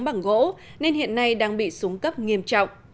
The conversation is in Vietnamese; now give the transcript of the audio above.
bằng gỗ nên hiện nay đang bị súng cấp nghiêm trọng